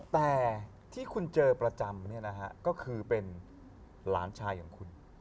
แต่ที่คุณเจอประจำเนี่ยนะฮะก็คือเป็นหลานชายของคุณ